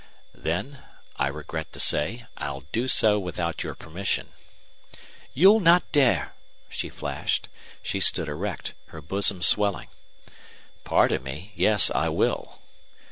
"Then I regret to say I'll do so without your permission." "You'll not dare!" she flashed. She stood erect, her bosom swelling. "Pardon me, yes, I will."